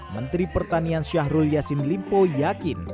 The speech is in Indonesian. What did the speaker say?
menteri pertanian syahrul yassin limpo yakin